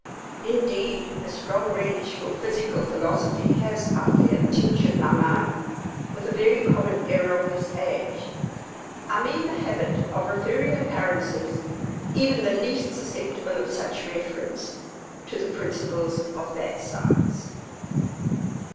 Indeed, a strong relish for physical philosophy has, I fear, tinctured my mind with a very common error of this age—I mean the habit of referring occurrences, even the least susceptible of such reference, to the principles of that science.